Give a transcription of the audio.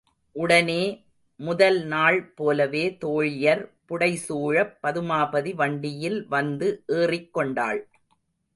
உடனே முதல் நாள் போலவே தோழியர் புடைசூழப் பதுமாபதி வண்டியில் வந்து ஏறிக் கொண்டாள்.